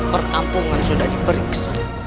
perkampungan sudah diperiksa